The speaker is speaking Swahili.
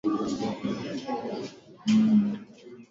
Nami niliwajulisha jina lako tena nitawajulisha hilo